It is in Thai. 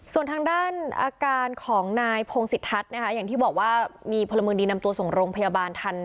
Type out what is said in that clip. ส่วนทางด้านอาการของนายพงศิษทัศน์นะคะอย่างที่บอกว่ามีพลเมืองดีนำตัวส่งโรงพยาบาลทัน